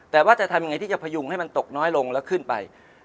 แต่ว่าจะทำยังไงที่จะพยุงให้มันตกน้อยลงแล้วขึ้นไป